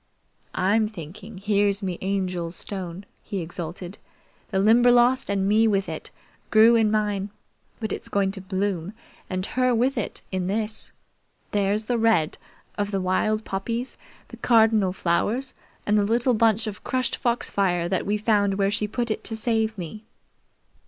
"I'm thinking here's me Angel's stone," he exulted. "The Limberlost, and me with it, grew in mine; but it's going to bloom, and her with it, in this! There's the red of the wild poppies, the cardinal flowers, and the little bunch of crushed foxfire that we found where she put it to save me.